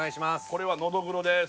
これはノドグロです。